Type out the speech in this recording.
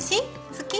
好き？